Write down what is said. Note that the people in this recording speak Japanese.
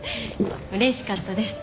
うれしかったです。